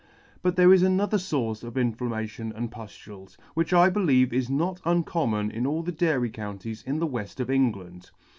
But there is another fource of inflammation and puftules, which I believe is not uncommon in all the dairy counties in the weft of England.